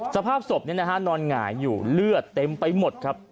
สภาพศพนอนหงายอยู่เลือดเต็มไปหมดครับ